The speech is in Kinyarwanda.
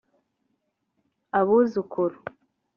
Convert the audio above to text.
abuzukuru